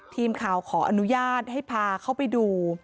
ขออนุญาตให้พาเข้าไปดู